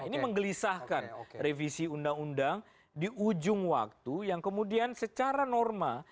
ini menggelisahkan revisi undang undang di ujung waktu yang kemudian secara norma